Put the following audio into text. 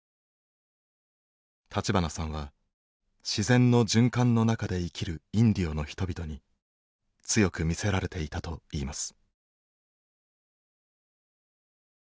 立花さんは自然の循環の中で生きるインディオの人々に強く魅せられていたといいます。